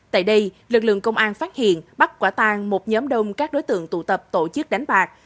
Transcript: tại đây lực lượng công an phát hiện bắt quả tang một nhóm đông các đối tượng tụ tập tổ chức đánh bạc